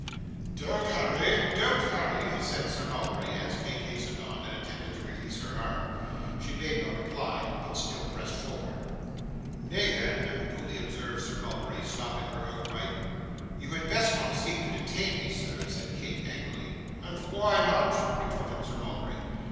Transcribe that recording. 'Don't hurry, don't hurry,' said Sir Mulberry, as Kate hastened on, and attempted to release her arm. She made no reply, but still pressed forward. 'Nay, then ' coolly observed Sir Mulberry, stopping her outright. 'You had best not seek to detain me, sir!' said Kate, angrily. 'And why not?' retorted Sir Mulberry.